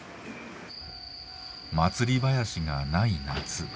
祭り囃子がない夏。